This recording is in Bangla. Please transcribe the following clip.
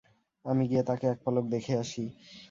আমি গিয়ে তাকে এক পলক দেখে আসি।